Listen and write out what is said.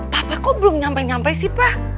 papa kok belum nyampe nyampe sih pa